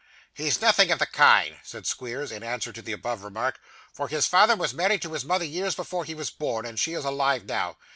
'He's nothing of the kind,' said Squeers, in answer to the above remark, 'for his father was married to his mother years before he was born, and she is alive now.